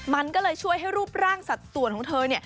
มันก็เลยช่วยให้รูปร่างสัดส่วนของเธอ